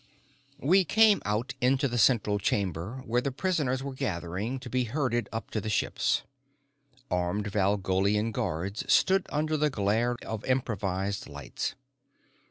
We came out into the central chamber where the prisoners were gathering to be herded up to the ships. Armed Valgolian guards stood under the glare of improvised lights.